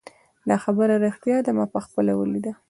دا خبره ریښتیا ده ما پخپله ولیدله